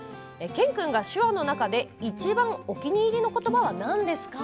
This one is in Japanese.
健君が手話の中で一番お気に入りの言葉はなんですか？